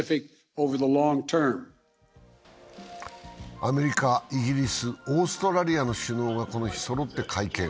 アメリカ・イギリス・オーストラリアの首脳がこの日、そろって会見。